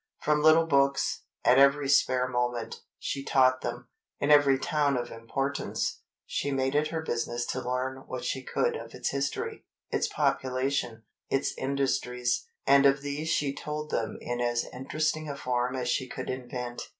From little books, at every spare moment, she taught them. In every town of importance, she made it her business to learn what she could of its history, its population, its industries, and of these she told them in as interesting a form as she could invent.